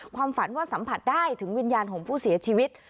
ความฝันว่าสัมผัสได้ถึงวิญญาณของผู้เสียชีวิต